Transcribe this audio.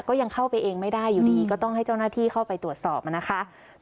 ก็ยังเข้าไปเองไม่ได้อยู่ดีก็ต้องให้เจ้าหน้าที่เข้าไปตรวจสอบนะคะ